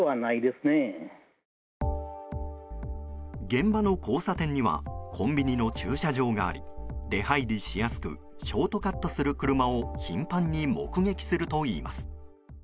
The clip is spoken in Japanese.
現場の交差点にはコンビニの駐車場があり出入りしやすくショートカットする車を頻繁に目撃するといいます。